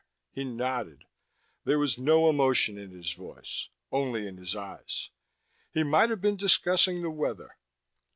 He nodded. There was no emotion in his voice, only in his eyes. He might have been discussing the weather.